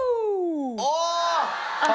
ああ！